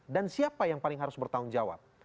dan siapa yang paling harus bertanggung jawab